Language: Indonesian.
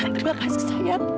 terima kasih sayang terima kasih